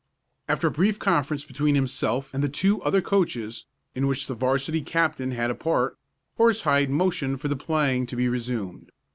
After a brief conference between himself and the other two coaches, in which the 'varsity captain had a part, Horsehide motioned for the playing to be resumed.